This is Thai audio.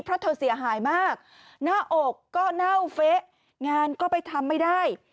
เพราะเธอเสียหายมากหน้าอกก็เน่าเฟะงานก็ไปทำไม่ได้